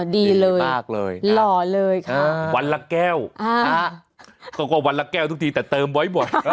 ดีมากเลยครับวันละแก้วคือว่าวันละแก้วทุกทีแต่เติมบ่อย